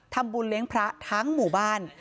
ทำบุญเลี้ยงพระทั้งหมู่บ้าน